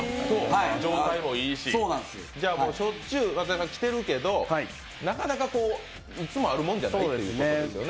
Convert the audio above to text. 状態もいいし、しょっちゅう松也さん来てるけどなかなかいつもあるもんじゃないということですよね。